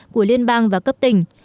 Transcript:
của liên bang và cấp tỉnh